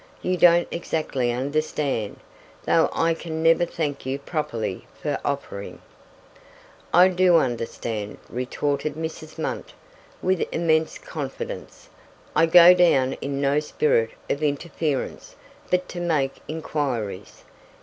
You don't exactly understand, though I can never thank you properly for offering." "I do understand," retorted Mrs. Munt, with immense confidence. "I go down in no spirit of interference, but to make inquiries.